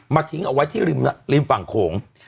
ทิ้งเอาไว้ที่ริมฝั่งโขง